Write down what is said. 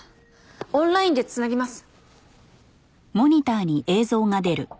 オンラインで繋ぎます。